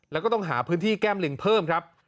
แล้วก็ต้องหาพื้นที่แก้มลิงเพิ่มครับ